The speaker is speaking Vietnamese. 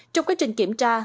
trong quá trình kiểm tra